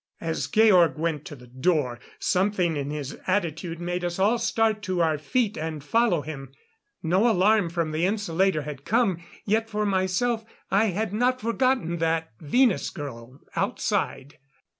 As Georg went to the door, something in his attitude made us all start to our feet and follow him. No alarm from the insulator had come, yet for myself I had not forgotten that Venus girl outside.